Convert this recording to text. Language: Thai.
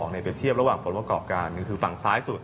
ในเปรียบเทียบระหว่างผลประกอบการคือฝั่งซ้ายสุด